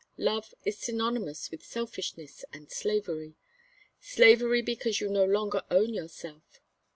Love is synonymous with selfishness and slavery slavery because you no longer own yourself.